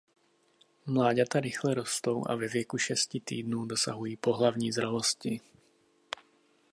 Mláďata rychle rostou a ve věku šesti týdnů dosahují pohlavní zralosti.